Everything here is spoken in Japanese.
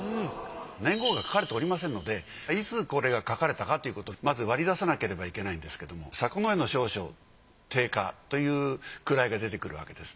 年号が書かれておりませんのでいつこれが書かれたかということをまず割り出さなければいけないんですけれども左近衛の少将定家という位が出てくるわけです。